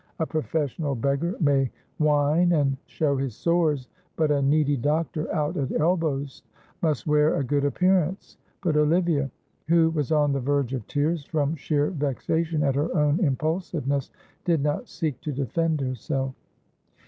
A professional beggar may whine and show his sores, but a needy doctor out at elbows must wear a good appearance;" but Olivia, who was on the verge of tears from sheer vexation at her own impulsiveness, did not seek to defend herself.